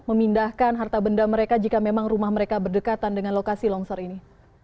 memindahkan harta benda mereka jika memang rumah mereka berdekatan dengan lokasi longsor ini